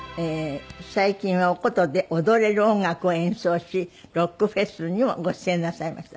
最近はお箏で踊れる音楽を演奏しロックフェスにもご出演なさいました。